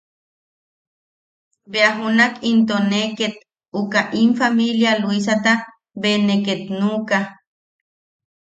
Bea junak into ne ket uka im familia Luisata be ne ket nuʼuka.